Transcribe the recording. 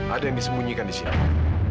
ada yang disembunyikan di siapa